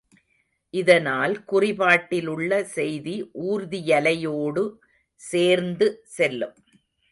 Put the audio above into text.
இதனால் குறிபாட்டிலுள்ள செய்தி ஊர்தியலையோடு சேர்ந்து செல்லும்.